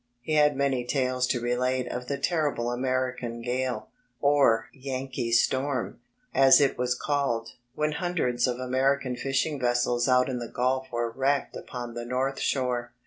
He had many tales to relate of the terrible American gale or "Yankee storm," as it was called when hundreds of American fishing vessels out in the Gulf were wrecked upon the north shore.